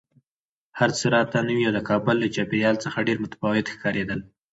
هر څه راته نوي او د کابل له چاپېریال څخه ډېر متفاوت ښکارېدل